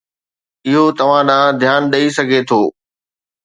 اهو توهان ڏانهن ڌيان ڏئي سگهي ٿو.